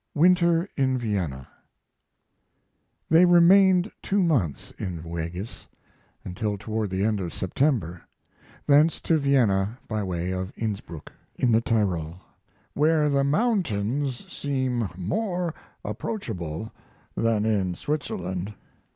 WINTER IN VIENNA They remained two months in Weggis until toward the end of September; thence to Vienna, by way of Innsbruck, in the Tyrol, "where the mountains seem more approachable than in Switzerland."